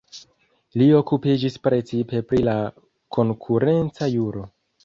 Li okupiĝis precipe pri la konkurenca juro.